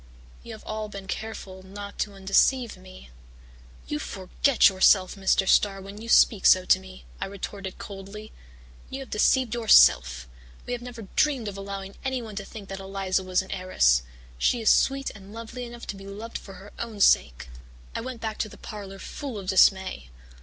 You have all been careful not to undeceive me.' "'You forget yourself, Mr. Starr, when you speak so to me,' I retorted coldly. 'You have deceived yourself. We have never dreamed of allowing anyone to think that Eliza was an heiress. She is sweet and lovely enough to be loved for her own sake.' "I went back to the parlour full of dismay.